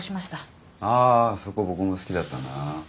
あそこ僕も好きだったな。